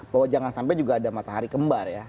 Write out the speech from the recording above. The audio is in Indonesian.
bahwa jangan sampai juga ada matahari kembar ya